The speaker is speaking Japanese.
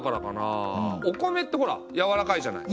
お米ってほらやわらかいじゃない。